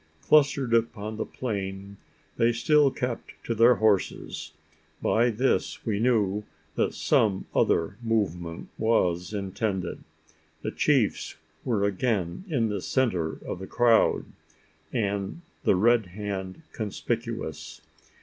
Clustered upon the plain, they still kept to their horses. By this, we knew that some other movement was intended. The chiefs were again in the centre of the crowd, the Red Hand conspicuous.